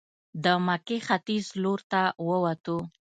د مکې ختیځ لورته ووتو.